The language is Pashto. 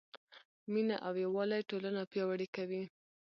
مینه او یووالی ټولنه پیاوړې کوي.